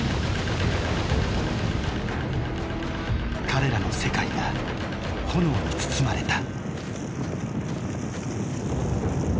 彼らの世界が炎に包まれた。